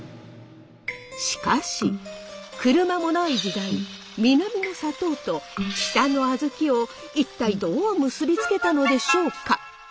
しかし車もない時代南の砂糖と北の小豆を一体どう結びつけたのでしょうか？